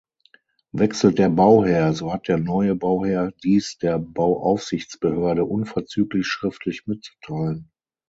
Wechselt der Bauherr, so hat der neue Bauherr dies der Bauaufsichtsbehörde unverzüglich schriftlich mitzuteilen.